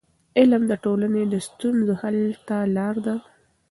علم د ټولنې د ستونزو حل ته لار ده.